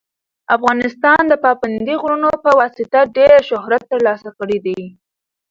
افغانستان د پابندي غرونو په واسطه ډېر شهرت ترلاسه کړی دی.